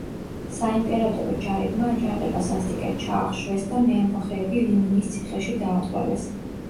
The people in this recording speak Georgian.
საიმპერატორო ჯარებმა აჯანყება სასტიკად ჩაახშვეს და მეამბოხეები ლიმნიის ციხეში დაატყვევეს.